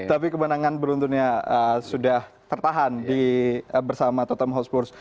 tapi kemenangan beruntunnya sudah tertahan bersama tottenham hotspur